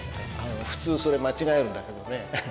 普通それ間違えるんだけどね。